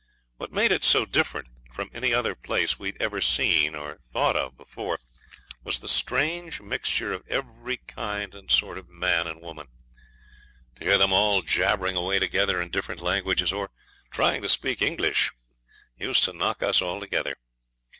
What made it so different from any other place we'd ever seen or thought of before was the strange mixture of every kind and sort of man and woman; to hear them all jabbering away together in different languages, or trying to speak English, used to knock us altogether.